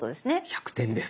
１００点です。